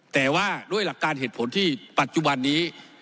แต่ว่าด้วยหลักการเหตุผลที่ปัจจุบันนี้